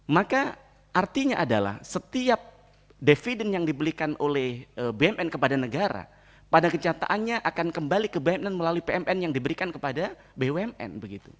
maka artinya adalah setiap dividend yang dibelikan oleh bnn kepada negara pada kencataannya akan kembali ke bnn melalui bnn yang diberikan kepada bnn